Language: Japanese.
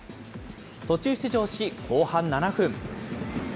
途中出場し、後半７分。